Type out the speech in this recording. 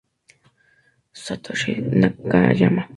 Satoshi Nakayama